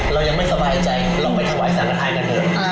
เรายังไม่สบายใจเราไปถวายสรรคายกันเดิม